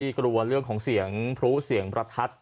กลัวเรื่องของเสียงพลุเสียงประทัด